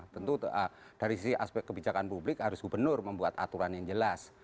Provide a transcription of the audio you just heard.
tentu dari sisi aspek kebijakan publik harus gubernur membuat aturan yang jelas